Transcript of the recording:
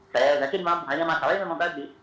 saya yakin hanya masalahnya memang tadi